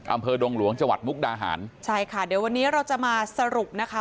อำเภอดงหลวงจังหวัดมุกดาหารใช่ค่ะเดี๋ยววันนี้เราจะมาสรุปนะคะ